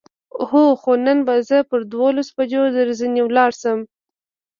هو، خو نن به زه پر دولسو بجو درځنې ولاړ شم.